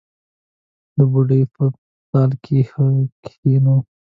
د بوډۍ په ټال کې کښېنو